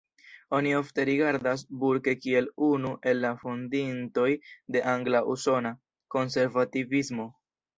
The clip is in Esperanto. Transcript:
Oni ofte rigardas Burke kiel unu el la fondintoj de angla-usona konservativismo.